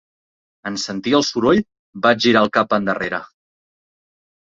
En sentir el soroll, va girar el cap endarrere.